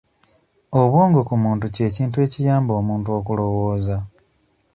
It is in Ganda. Obwongo ku muntu kye kintu ekiyamba omuntu okulowooza.